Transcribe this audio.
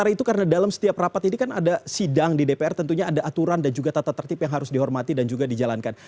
karena itu karena dalam setiap rapat ini kan ada sidang di dpr tentunya ada aturan dan juga tata tertib yang harus dihormati dan juga dijalankan